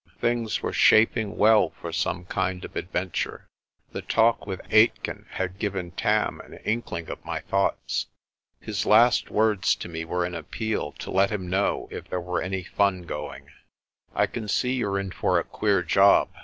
Things were shaping well for some kind of adventure. The talk with Aitken had given Tam an inkling of my thoughts. His last words to me were an appeal to let him know if there was any fun going. "I can see you're in for a queer job.